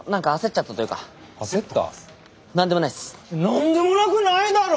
何でもなくないだろ！